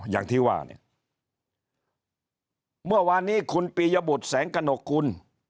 อย่างที่ว่าเนี่ยเมื่อวานนี้คุณปียบุตรแสงกระหนกกุล